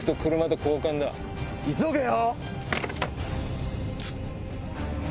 急げよ！